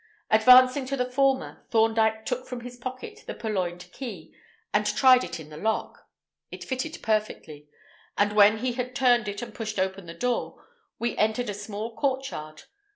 Advancing to the former, Thorndyke took from his pocket the purloined key, and tried it in the lock. It fitted perfectly, and when he had turned it and pushed open the door, we entered a small courtyard.